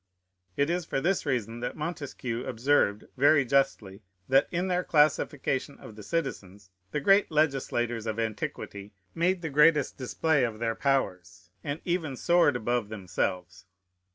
It is for this reason that Montesquieu observed, very justly, that, in their classification of the citizens, the great legislators of antiquity made the greatest display of their powers, and even soared above themselves.